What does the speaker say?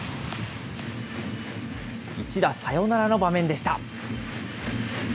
一打サヨナラの場面でした。